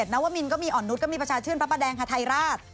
นวมินก็มีอ่อนนุษย์ก็มีประชาชื่นพระประแดงฮาไทยราช